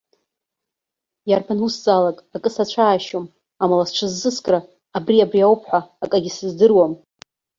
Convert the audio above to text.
Иарбан усзаалак акы сацәаашьом, амала сҽыззыскра абриабри ауп ҳәа акагьы сыздыруам.